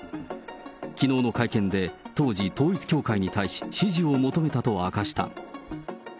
きのうの会見で、当時、統一教会に対し支持を求めたと明かした。